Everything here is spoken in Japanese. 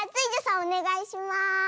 おねがいしますね。